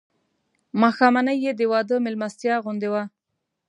ماښامنۍ یې د واده مېلمستیا غوندې وه.